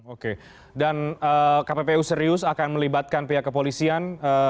oke dan kppu serius akan melibatkan pihak kepolisian